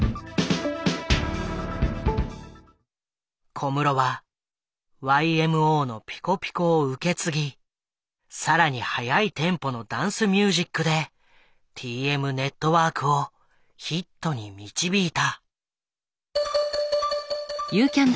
小室はＹＭＯのピコピコを受け継ぎ更に速いテンポのダンスミュージックでＴＭＮＥＴＷＯＲＫをヒットに導いた。